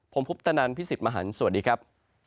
ผมพุทธนันพี่สิทธิ์มหันฯสวัสดีครับ